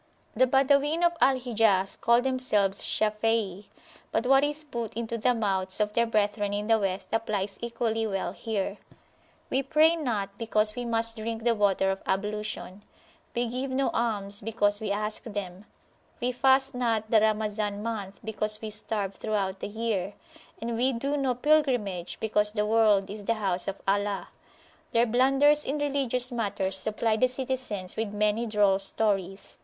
The Badawin of Al Hijaz call themselves Shafei but what is put into the mouths of their brethren in the West applies equally well here. We pray not, because we must drink the water of ablution; we give no alms, because we ask them; we fast not the Ramazan month, because we starve throughout the year; and we do no pilgrimage, because the world is the House of Allah. Their blunders in religious matters supply the citizens with many droll stories.